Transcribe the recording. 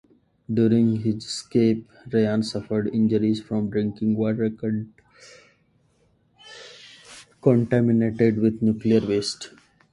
During his escape, Ryan suffered injuries from drinking water contaminated with nuclear waste.